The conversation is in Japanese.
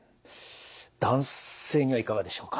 男性にはいかがでしょうか？